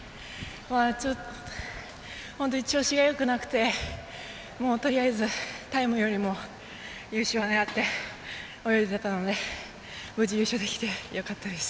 本当に調子がよくなくてもう、とりあえずタイムよりも優勝を狙って泳いでいたので無事、優勝できてよかったです。